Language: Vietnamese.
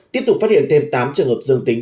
tiếp tục phát hiện thêm tám trường hợp dương tính